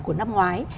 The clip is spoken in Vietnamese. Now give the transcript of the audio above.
của năm ngoái